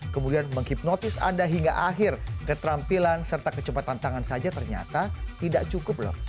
kemudian menghipnotis anda hingga akhir keterampilan serta kecepatan tangan saja ternyata tidak cukup lho